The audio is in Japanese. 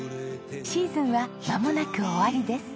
シーズンはまもなく終わりです。